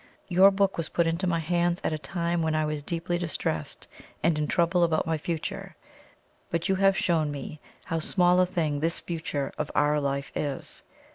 ... Your book was put into my hands at a time when I was deeply distressed and in trouble about my future; but you have shown me how small a thing this future of OUR life is.